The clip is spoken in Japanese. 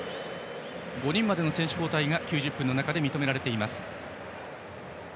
５人までの選手交代が９０分の中で認められています。